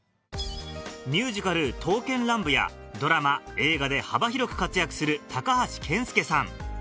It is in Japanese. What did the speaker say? ミュージカル『刀剣乱舞』やドラマ映画で幅広く活躍する高橋健介さん